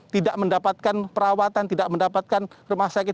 tidak mendapatkan perawatan tidak mendapatkan rumah sakit